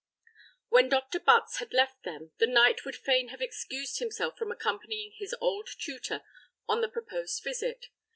When Dr. Butts had left them, the knight would fain have excused himself from accompanying his old tutor on the proposed visit.